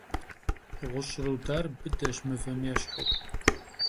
Ğuş' rudar bıdeş, mıvem yêşhu.